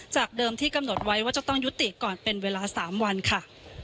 จากเดิมที่กำหนดไว้ว่าจะต้องยุติก่อนเป็นเวลา๓วันค่ะ